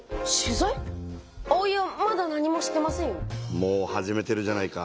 もう始めてるじゃないか。